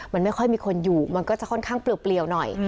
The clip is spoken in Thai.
มันไม่ค่อยมีคนอยู่มันก็จะค่อนข้างเปลี่ยวหน่อย